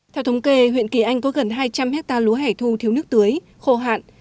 theo thống kê huyện kỳ anh có gần hai trăm linh hectare lúa hẻ thu thiếu nước tưới khô hạn